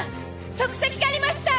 足跡がありました！